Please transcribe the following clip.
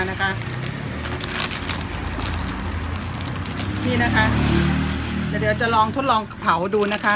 เดี๋ยวเดี๋ยวจะลองทดลองกับเผาดูคะ